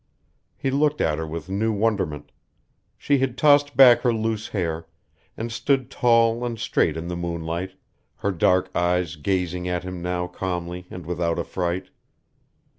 He looked at her with new wonderment. She had tossed back her loose hair, and stood tall and straight in the moonlight, her dark eyes gazing at him now calmly and without affright.